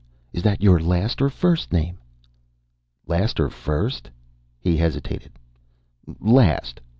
Is that your last or first name?" "Last or first?" He hesitated. "Last.